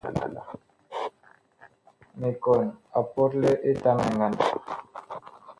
Mikɔn a pɔtle Etamɛ ngandag.